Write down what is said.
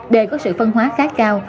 đề có sự phân hóa khá cao